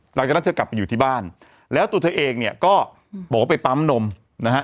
หลังจากนั้นเธอกลับไปอยู่ที่บ้านแล้วตัวเธอเองเนี่ยก็บอกว่าไปปั๊มนมนะฮะ